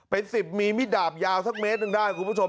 เป็น๑๐มีมิดดาบยาวสักเมตรหนึ่งได้คุณผู้ชม